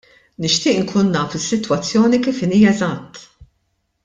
Nixtieq inkun naf is-sitwazzjoni kif inhi eżatt.